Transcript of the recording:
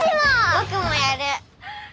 僕もやる。